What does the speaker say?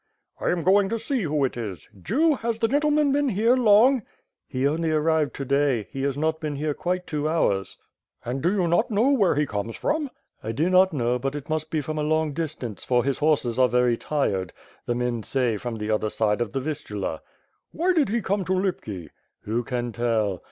"I am going to see who it is. Jew, has the gentleman been here long?" *TEIe only arrived to day. He has not been here quite two hours." WITH FIRE AND SWORD. 5^^ "And do you not know where he comes from?" "I do not know, but it must be from a long distance, for his horses are very tired. The men say from the other side of the Vistula." "Why did he come to Lipki?" "Who can tell?"